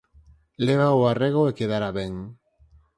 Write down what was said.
lévao a rego e quedará ben